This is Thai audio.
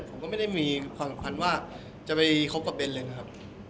ผมก็ไม่ได้มีความสำคัญว่าจะไปคบกับเบนเลยนะครับ